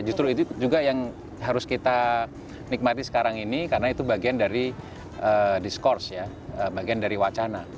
justru itu juga yang harus kita nikmati sekarang ini karena itu bagian dari diskurs ya bagian dari wacana